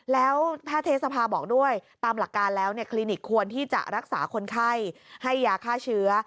แล้วแพทย์เทศภาบอกด้วยตามหลักการแล้วคลินิกควรที่จะรักษาคนไข้ให้ยาฆ่าเชื้อ